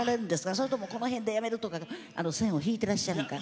それともこの辺でやめるって線を引いているんですか？